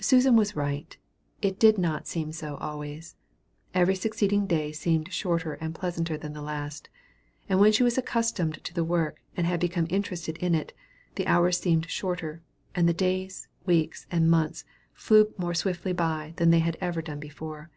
Susan was right, it did not seem so always. Every succeeding day seemed shorter and pleasanter than the last; and when she was accustomed to the work, and had become interested in it, the hours seemed shorter, and the days, weeks, and months flew more swiftly by than they had ever done before.